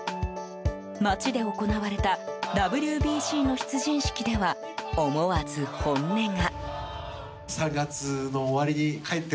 町で行われたＷＢＣの出陣式では思わず本音が。